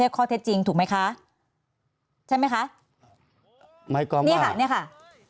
ข้อเท็จจริงถูกไหมคะใช่ไหมคะหมายความว่าเนี้ยค่ะเนี้ยค่ะ